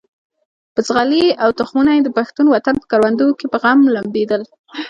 بزغلي او تخمونه یې د پښتون وطن په کروندو کې په غم لمدېدل.